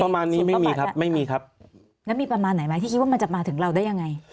ประมาณนี้ไม่มีครับไม่มีครับแล้วมีประมาณไหนไหมที่คิดว่ามันจะมาถึงเราได้ยังไง